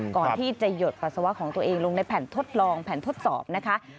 ก่อนที่จะหยดปัสสาวะของตัวเองลงในแผ่นทดลองแผ่นทดสอบนะคะ